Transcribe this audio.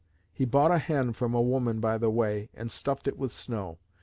He bought a hen from a woman by the way, and stuffed it with snow.